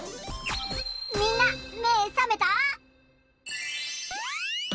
みんなめぇさめた？